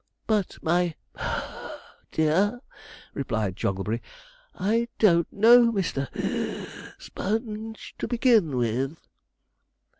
'But, my (puff) dear,' replied Jogglebury, 'I don't know Mr. (wheeze) Sponge, to begin with.'